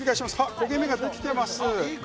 焦げ目ができています。